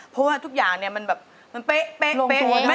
เพราะว่าทุกอย่างมันแบบเป๊ะ